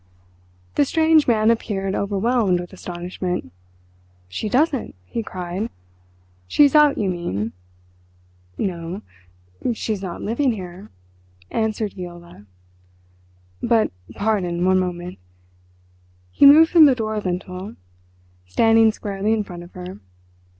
The strange man appeared overwhelmed with astonishment. "She doesn't?" he cried. "She is out, you mean!" "No, she's not living here," answered Viola. "But—pardon—one moment." He moved from the door lintel, standing squarely in front of her.